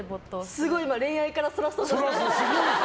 すごい今恋愛からそらそうと。